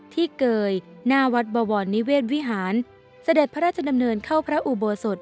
เกยหน้าวัดบวรนิเวศวิหารเสด็จพระราชดำเนินเข้าพระอุโบสถ